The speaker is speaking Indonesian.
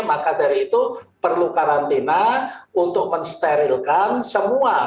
maka dari itu perlu karantina untuk mensterilkan semua